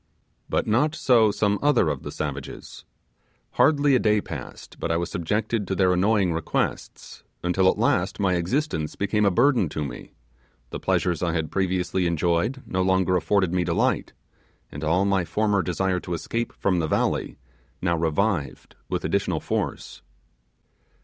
But not so some other of the savages. Hardly a day passed but I was subjected to their annoying requests, until at last my existence became a burden to me; the pleasures I had previously enjoyed no longer afforded me delight, and all my former desire to escape from the valley now revived with additional force.